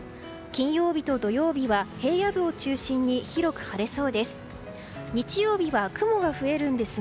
金曜日と土曜日は平野部を中心に広く晴れそうです。